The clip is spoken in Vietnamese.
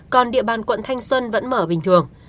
còn địa bàn quận thanh xuân vẫn mở bình thường